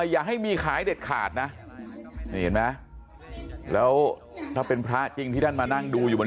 อย่าให้มีขายเด็ดขาดนะนี่เห็นไหมแล้วถ้าเป็นพระจริงที่ท่านมานั่งดูอยู่บน